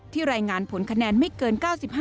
รายงานผลคะแนนไม่เกิน๙๕